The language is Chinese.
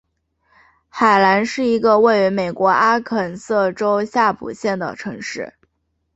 海兰是一个位于美国阿肯色州夏普县的城市。